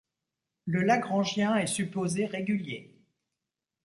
Le lagrangien est supposé régulier.